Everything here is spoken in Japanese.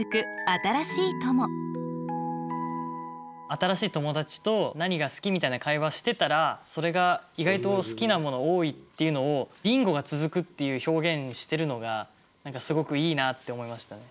新しい友達と「何が好き？」みたいな会話してたらそれが意外と好きなものが多いっていうのを「ビンゴが続く」っていう表現してるのがすごくいいなって思いましたね。